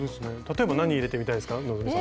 例えば何を入れてみたいですか？